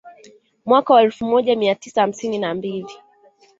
Mwaka wa elfu moja mia tisa hamsini na mbili